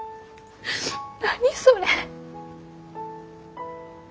何それ。